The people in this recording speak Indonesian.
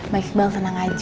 maikbal tenang aja